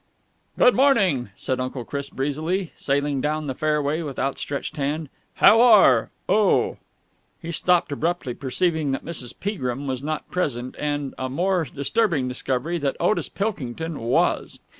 "Good morning," said Uncle Chris breezily, sailing down the fairway with outstretched hand. "How are oh!" He stopped abruptly, perceiving that Mrs. Peagrim was not present and a more disturbing discovery that Otis Pilkington was.